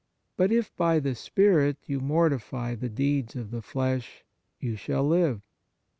But if by the spirit you mortify the deeds of the flesh, you shall live".